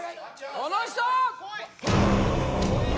この人！